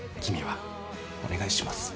お願いします。